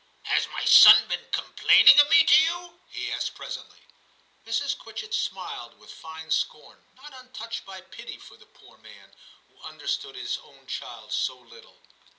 * Has my son been complaining of me to you ?' he asked presently. Mrs. Quitchett smiled with fine scorn, not untouched by pity, for the poor man who understood his own child so little.